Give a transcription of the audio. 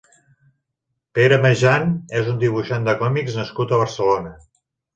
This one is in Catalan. Pere Mejan és un dibuixant de còmics nascut a Barcelona.